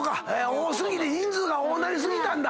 多過ぎて人数が多なり過ぎたんだ。